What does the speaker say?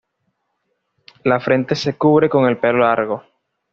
La frente se cubre con el pelo largo.